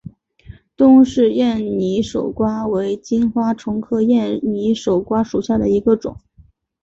东氏艳拟守瓜为金花虫科艳拟守瓜属下的一个种。